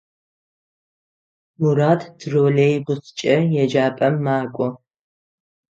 Мурат троллейбускӏэ еджапӏэм макӏо.